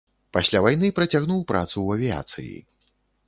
Пасля вайны працягнуў працу ў авіяцыі.